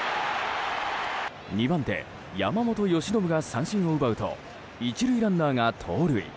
２番手、山本由伸が三振を奪うと１塁ランナーが盗塁。